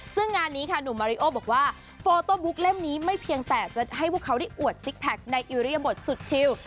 ซึ่งงานนี้ค่ะหนุ่มมาริโอบอกว่าโฟโต้บุ๊กเล่มนี้ไม่เพียงแต่จะให้พวกเขาได้อวดซิกแพคในอิริยบทสุดชิล